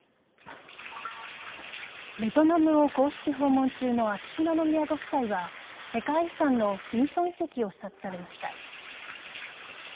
ベトナムを公式訪問中の秋篠宮ご夫妻は世界遺産のミーソン遺跡を視察されました。